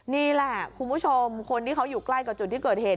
นี่แหละคุณผู้ชมคนที่เขาอยู่ใกล้กับจุดที่เกิดเหตุ